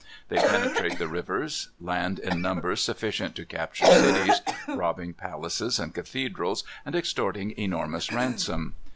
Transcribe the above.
They penetrate the rivers; land in numbers sufficient to capture cities, robbing palaces and cathedrals, and extorting enormous ransom.